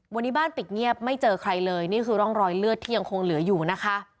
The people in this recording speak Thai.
วันนี้บ้านปิดเงียบไม่เจอใครเลยนี่คือร่องรอยเลือดที่ยังคงเหลืออยู่นะคะ